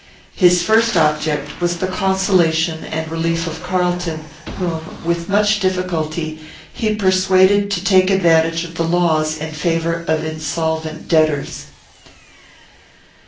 His first object was the consolation and relief of Carlton, whom, with much difficulty, he persuaded to take advantage of the laws in favour of insolvent debtors.